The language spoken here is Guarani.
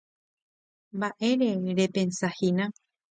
Mba'ére repensahína.